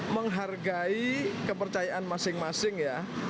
menghargai kepercayaan masing masing ya